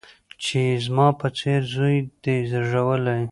چي یې زما په څېره زوی دی زېږولی